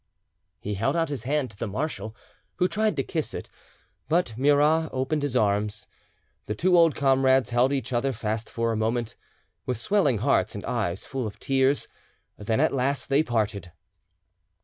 He held out his hand to the marshal, who tried to kiss it; but Murat opened his arms, the two old comrades held each other fast for a moment, with swelling hearts and eyes full of tears; then at last they parted.